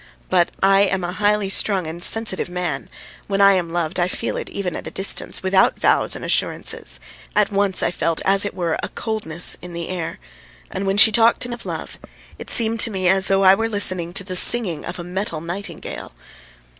But I am a highly strung and sensitive man; when I am loved I feel it even at a distance, without vows and assurances; at once I felt as it were a coldness in the air, and when she talked to me of love, it seemed to me as though I were listening to the singing of a metal nightingale.